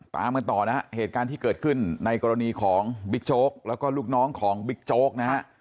ตามกันต่อนะฮะเหตุการณ์ที่เกิดขึ้นในกรณีของบิ๊กโจ๊กแล้วก็ลูกน้องของบิ๊กโจ๊กนะฮะ